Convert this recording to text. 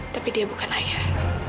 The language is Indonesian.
tapi dia bukan ayah